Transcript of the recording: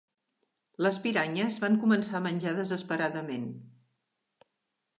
Les piranyes van començar a menjar desesperadament.